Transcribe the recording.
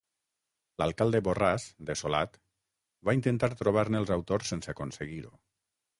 L'alcalde Borràs, dessolat, va intentar trobar-ne els autors sense aconseguir-ho.